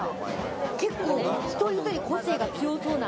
結構一人一人個性が強そうな。